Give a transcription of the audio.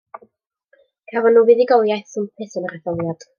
Cafon nhw fuddugoliaeth swmpus yn yr etholiad.